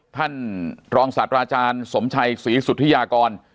ท่านรองศาสตราอาจารย์สมชัยศรีสุธิยากร